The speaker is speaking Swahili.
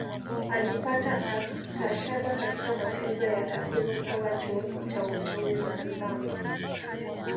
Alipata Astashada katika Mafunzo ya Takwimu kutoka Chuo cha Uchumi Zanzibar